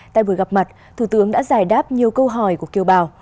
tại buổi gặp mặt thủ tướng đã giải đáp nhiều câu hỏi của kiều bào